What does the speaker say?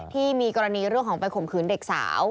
ที่มีกรณีเรื่องของไปข่มขืนเด็กสาว